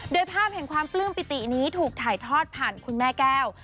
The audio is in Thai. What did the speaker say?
โดยภาพแห่งความปลื้มปิตินี้ถูกถ่ายทอดผ่านคุณแม่แก้ว